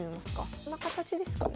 こんな形ですかね。